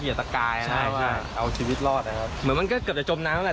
ตะกายใช่ว่าเอาชีวิตรอดนะครับเหมือนมันก็เกือบจะจมน้ำแล้วแหละ